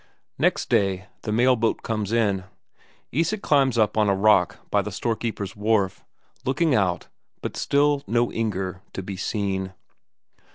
Next day the mail boat comes in. Isak climbs up on a rock by the storekeeper's wharf, looking out, but still no Inger to be seen.